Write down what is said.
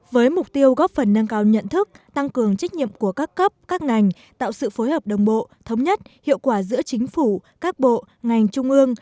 với mục tiêu góp phần nâng cao nhận thức tăng cường trách nhiệm của các cấp các ngành tạo sự phối hợp đồng bộ thống nhất hiệu quả giữa chính phủ các bộ ngành trung ương